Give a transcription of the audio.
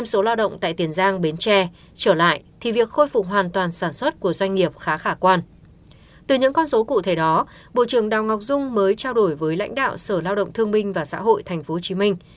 trong số cụ thể đó bộ trưởng đào ngọc dung mới trao đổi với lãnh đạo sở lao động thương minh và xã hội tp hcm